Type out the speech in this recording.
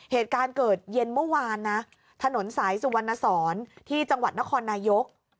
เหตุการณ์เกิดเย็นเมื่อวานนะถนนสายสุวรรณสอนที่จังหวัดนครนายก